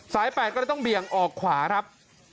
๘ก็เลยต้องเบี่ยงออกขวาครับ